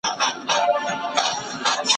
د قانون نشتوالی د وېرو لویه سرچینه ده.